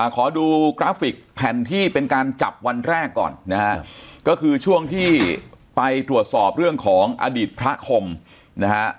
ขอดูกราฟิกแผ่นที่เป็นการจับวันแรกก่อนนะฮะก็คือช่วงที่ไปตรวจสอบเรื่องของอดีตพระคมนะฮะ